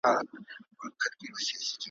خریدار یې همېشه تر حساب تیر وي `